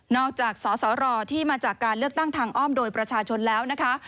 จากสสรที่มาจากการเลือกตั้งทางอ้อมโดยประชาชนแล้วนะคะ